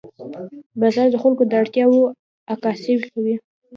بازار د خلکو د اړتیاوو عکاسي کوي.